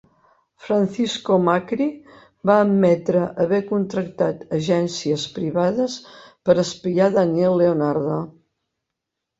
Francisco Macri va admetre haver contractat agències privades per espiar Daniel Leonardo.